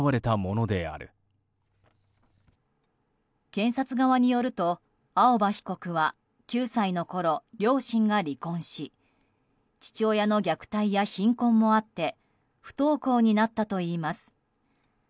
検察側によると青葉被告は９歳のころ、両親が離婚し父親の虐待や貧困もあって不登校になったといいます。